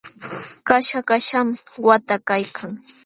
Kaśha kaśham waqta kaykan.